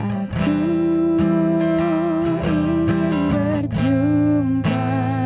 aku ingin berjumpa